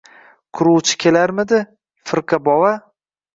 — Quruvchi kelarmidi, firqa bova.